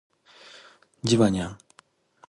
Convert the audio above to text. ジバニャン